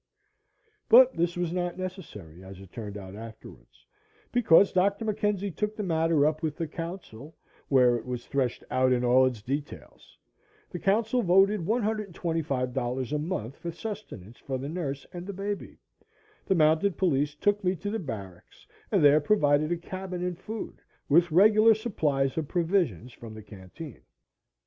But this was not necessary, as it turned out afterwards, because Dr. McKenzie took the matter up with the council, where it was threshed out in all its details. The council voted $125 a month for sustenance for the nurse and the baby. The mounted police took me to the barracks and there provided a cabin and food, with regular supplies of provisions from the canteen.